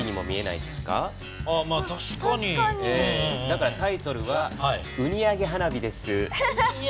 だからタイトルは「ウニあげ花火」です。